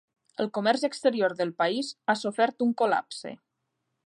El comerç exterior del país ha sofert un col·lapse.